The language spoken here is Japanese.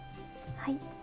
はい。